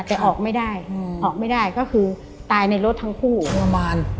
แต่ออกไม่ได้อืมออกไม่ได้ก็คือตายในรถทั้งคู่ประมาณ